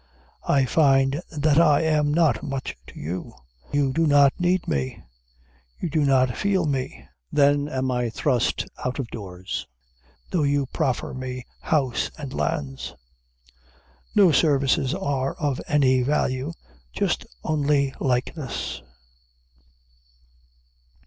I find that I am not much to you; you do not need me; you do not feel me; then am I thrust out of doors, though you proffer me house and lands. No services are of any value, but only likeness.